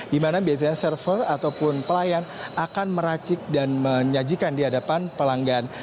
di mana biasanya server ataupun pelayan akan meracik dan menyajikan di hadapan pelanggan